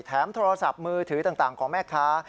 โทรศัพท์มือถือต่างของแม่ค้า